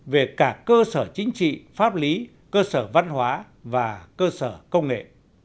về cả cơ sở chính trị pháp lý cơ sở văn hóa và cơ sở công nghệ